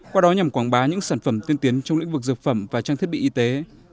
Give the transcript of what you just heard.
qua đó nhằm quảng bá những sản phẩm tiên tiến trong lĩnh vực dược phẩm và trang thiết bị y tế